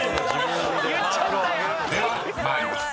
［では参ります。